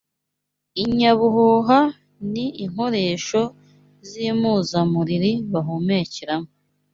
Inyabuhuha ni inkoresho z’impuzamuriri bahuheramo